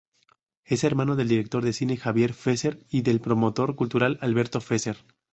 Es hermano del director de cine Javier Fesser y del promotor cultural Alberto Fesser.